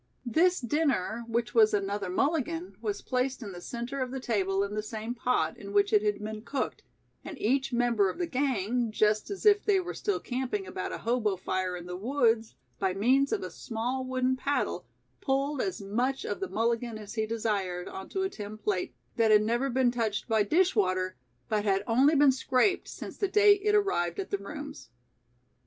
This dinner, which was another mulligan, was placed in the center of the table in the same pot in which it had been cooked, and each member of the gang, just as if they were still camping about a hobo fire in the woods, by means of a small wooden paddle pulled as much of the mulligan as he desired, onto a tin plate, that had never been touched by dishwater, but had only been scraped since the day it arrived at the rooms.